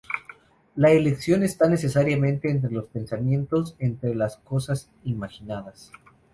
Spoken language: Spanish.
La elección está necesariamente entre los pensamientos, entre las cosas imaginadas.